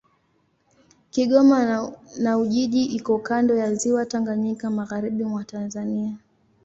Kigoma na Ujiji iko kando ya Ziwa Tanganyika, magharibi mwa Tanzania.